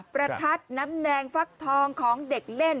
ประทัดน้ำแดงฟักทองของเด็กเล่น